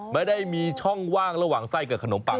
ไม่ได้มีช่องว่างระหว่างไส้กับขนมปัง